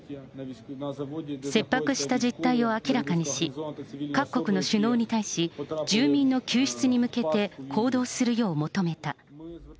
切迫した実態を明らかにし、各国の首脳に対し、住民の救出に向けて行動するよう求めた。